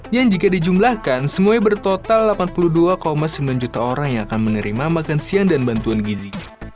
yang jika dijumlahkan semuanya bertotal delapan puluh dua sembilan juta orang yang akan menerima makan siang dan bantuan gizi